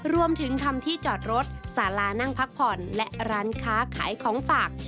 รวมถึงทำที่จอดรถสาลานั่งพักผ่อนและร้านค้าขายของฝาก